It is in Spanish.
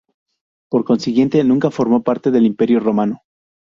Por consiguiente, nunca formó parte del Imperio romano.